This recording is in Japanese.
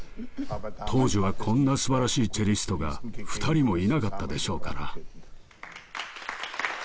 当時はこんな素晴らしいチェリストが２人もいなかったでしょうから。